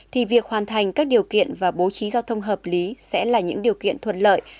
thì việc hoàn thành các điều kiện và bố trí giao thông hợp lý sẽ là những điều kiện thuận lợi